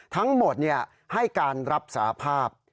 ทั้งหมดให้การรับสาภาพ